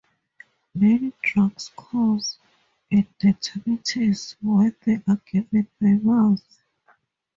Many drugs cause a dermatitis when they are given by mouth.